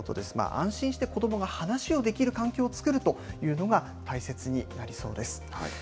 安心して子どもが話をできる環境を作るというのが大切になりそうです。